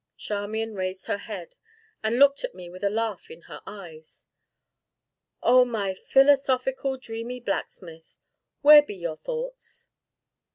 Charmian raised her head, and looked at me with a laugh in her eyes. "Oh, most philosophical, dreamy blacksmith! where be your thoughts?"